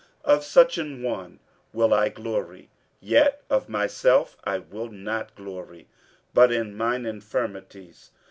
47:012:005 Of such an one will I glory: yet of myself I will not glory, but in mine infirmities.